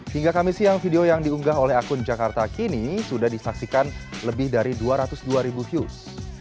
hingga kamis siang video yang diunggah oleh akun jakarta kini sudah disaksikan lebih dari dua ratus dua ribu views